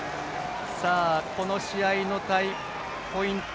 この試合のポイント